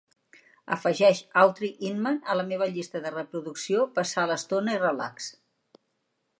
Afegeix Autry Inman a la meva llista de reproducció Passar l'estona i Relax.